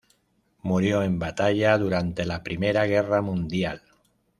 Murió en batalla durante la Primera Guerra Mundial.